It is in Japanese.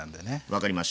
分かりました。